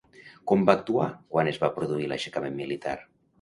Com va actuar quan es va produir l'aixecament militar?